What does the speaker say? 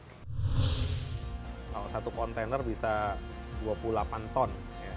kalau satu kontainer bisa dua puluh delapan ton